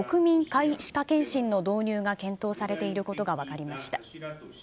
皆歯科健診の導入が検討されていることが分かりました。